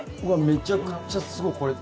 めちゃくちゃすごいこれ？